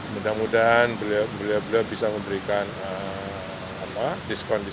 mudah mudahan beliau beliau bisa memberikan diskaun di situ